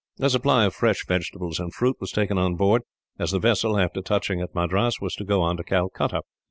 A supply of fresh vegetables and fruit was taken on board, as the vessel, after touching at Madras, was to go on to Calcutta.